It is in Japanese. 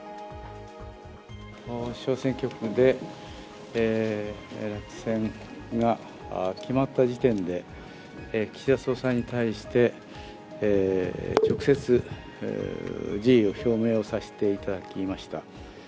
小選挙区で落選が決まった時点で、岸田総裁に対して、直接辞意を表明をさせていただきました。